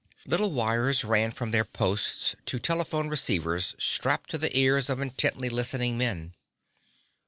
Little wires ran from their points to telephone receivers strapped on the ears of intently listening men.